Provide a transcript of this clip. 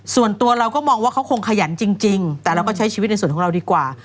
ส่วนตัวเราก็มองว่าเขาคงขยันจริงแต่เราก็ใช้ชีวิตในส่วนของเราดีกว่า